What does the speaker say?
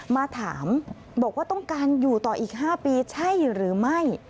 มาถามบอกว่าต้องการอยู่ต่ออีก๕ปีใช่หรือไม่